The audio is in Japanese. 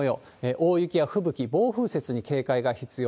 大雪や吹雪、暴風雪に警戒が必要。